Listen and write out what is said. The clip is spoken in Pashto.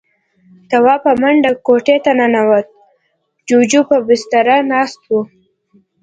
تواب په منډه کوټې ته ننوت. جُوجُو پر بستره ناست و.